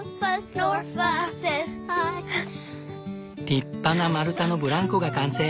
立派な丸太のブランコが完成！